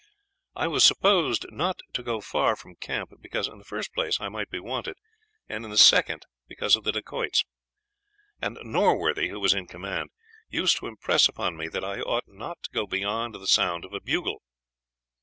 I was supposed not to go far from camp, because in the first place, I might be wanted; and, in the second, because of the Dacoits; and Norworthy, who was in command, used to impress upon me that I ought not to go beyond the sound of a bugle.